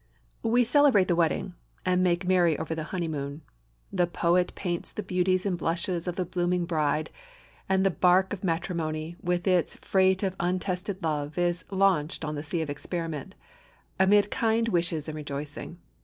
] We celebrate the wedding and make merry over the honeymoon. The poet paints the beauties and blushes of the blooming bride; and the bark of matrimony, with its freight of untested love, is launched on the sea of experiment, amid kind wishes and rejoicing.